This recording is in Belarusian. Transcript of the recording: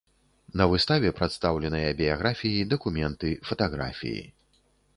На выставе прадстаўленыя біяграфіі, дакументы, фатаграфіі.